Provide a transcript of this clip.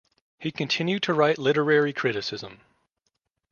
He continued to write literary criticism.